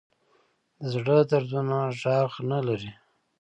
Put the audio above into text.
د زړه دردونه غږ نه لري